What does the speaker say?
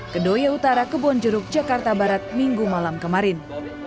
kedoya utara kebonjeruk jakarta barat minggu malam kemarin